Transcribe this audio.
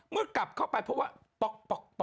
กลับเข้าไปเพราะว่าป๊อก